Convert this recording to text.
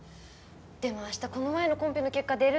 でも明日この前のコンペの結果出るんだよね。